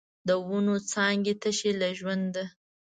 د ونو څانګې تشې له ژونده